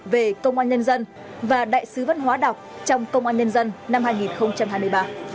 về công an nhân dân và đại sứ văn hóa đọc trong công an nhân dân năm hai nghìn hai mươi ba